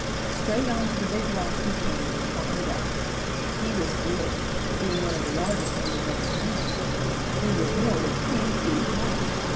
Straight on to the Big Rock he came, and climbed up. He was big, being one of the largest members of his family. He was more than three feet long.